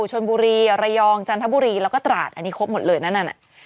ชนบุรีระยองจันทบุรีแล้วก็ตราดอันนี้ครบหมดเลยนั่นน่ะ